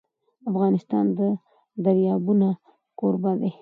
افغانستان د دریابونه کوربه دی.